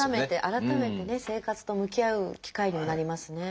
改めてね生活と向き合う機会にもなりますね。